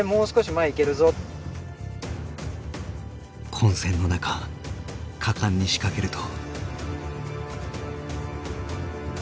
混戦の中果敢に仕掛けると。